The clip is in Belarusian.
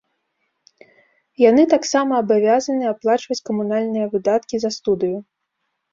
Яны таксама абавязаны аплачваць камунальныя выдаткі за студыю.